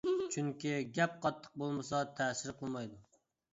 چۈنكى گەپ قاتتىق بولمىسا تەسىر قىلمايدۇ.